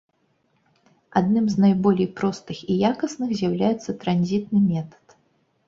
Адным з найболей простых і якасных з'яўляецца транзітны метад.